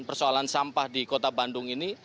persoalan sampah di kota bandung ini